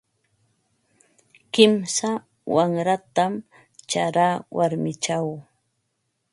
Kimsa wanratam charaa warmichaw.